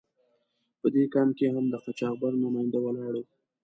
په دې کمپ کې هم د قاچاقبر نماینده ولاړ و.